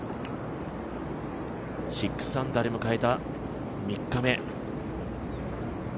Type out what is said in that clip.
６アンダーで迎えた３日目。